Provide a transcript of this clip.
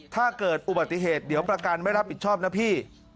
ถ้าเกิดอุบัติเหตุเดี๋ยวประกันไม่รับผิดชอบนะพี่